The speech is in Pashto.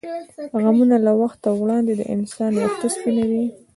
غمونه له وخته وړاندې د انسان وېښته سپینوي.